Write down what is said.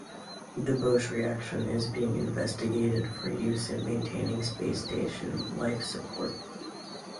The Bosch reaction is being investigated for use in maintaining space station life support.